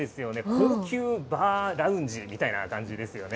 高級バーラウンジみたいな感じですよね。